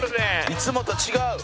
いつもと違う。